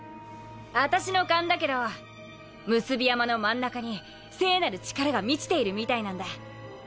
アタシの勘だけど産霊山の真ん中に聖なる力が満ちているみたいなんだ。